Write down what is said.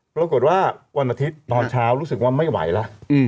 ปรากฏว่าวันอาทิตย์ตอนเช้ารู้สึกว่าไม่ไหวล่ะ